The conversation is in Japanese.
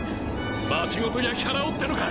町ごと焼き払おうってのか！